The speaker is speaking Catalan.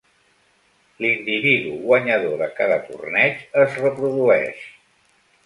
L'individu guanyador de cada torneig es reprodueix.